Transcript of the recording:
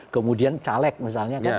kemudian caleg misalnya